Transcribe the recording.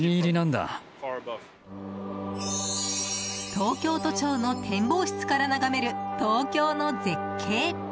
東京都庁の展望室から眺める東京の絶景！